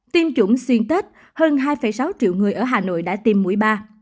tiêm chủng xuyên tết hơn hai sáu triệu người ở hà nội đã tiêm mũi ba